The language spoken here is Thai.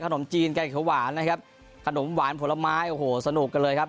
ขนมจีนแกงเขียวหวานนะครับขนมหวานผลไม้โอ้โหสนุกกันเลยครับ